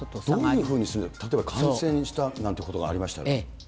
どういうふうに、例えば感染したなんてことがありましたら。